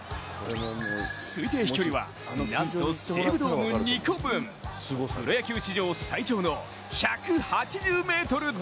推定飛距離はなんと西武ドーム２個分、プロ野球史上最長の１８０ｍ弾。